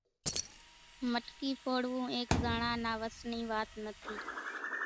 مٽڪي ڦوڙوون ايڪ زڻا نا وس ني وات نٿي